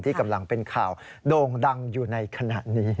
กำลังเป็นข่าวโด่งดังอยู่ในขณะนี้